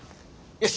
よし。